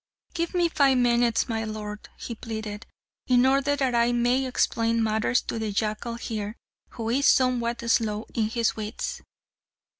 "Give me five minutes, my lord!" he pleaded, "in order that I may explain matters to the jackal here, who is somewhat slow in his wits."